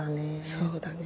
そうだね。